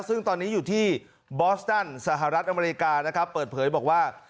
ซึ่งตอนนี้อยู่ที่บอสตันสหรัฐอเมริกานะครับเปิดเผยบอกว่า